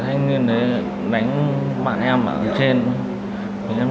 không nói nào còn em